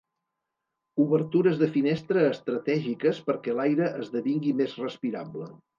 Obertures de finestra estratègiques perquè l'aire esdevingui més respirable.